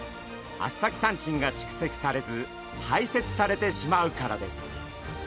アスタキサンチンが蓄積されず排泄されてしまうからです。